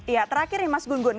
ya terakhir nih mas gun gun